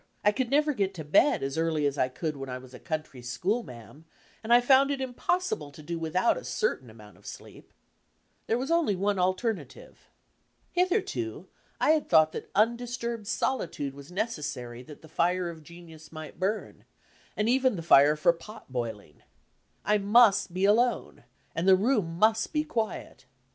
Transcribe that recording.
I could never get to bed as early as I could when I was a country 'schoolma'am' and I found it impossible to do without a certain amount of sleep. There was only one alternative. Hitherto, I had thought that undisturbed solitude was necessary that the fire of genius might bum and even the fire for pot boiling. I must be alone, and the room must be quiet.